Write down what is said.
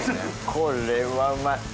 これはうまい。